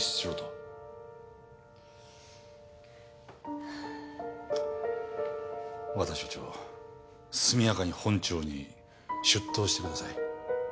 緒方署長速やかに本庁に出頭してください。